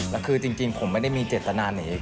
แล้วคือจริงผมไม่ได้มีเจตนาหนี